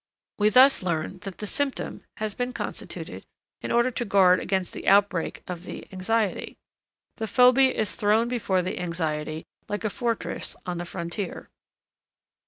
We thus learn that the symptom has been constituted in order to guard against the outbreak of the anxiety. The phobia is thrown before the anxiety like a fortress on the frontier.